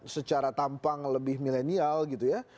secara tampang lebih milenial gitu ya